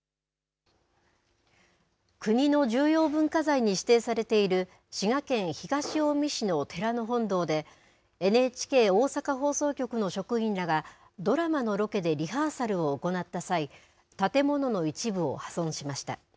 国の重要文化財に指定されている滋賀県東近江市の寺の本堂で、ＮＨＫ大阪放送局の職員らが、ドラマのロケでリハーサルを行った際、建物の一部を破損しました。